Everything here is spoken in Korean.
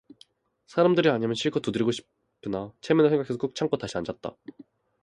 사람들이 아니면 실컷 두드리고 싶으나 체면을 생각해서 꾹 참고 다시 앉았다.